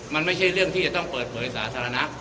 มันไม่ใช่เรื่องที่จะต้องเปิดเผยสาธารณะ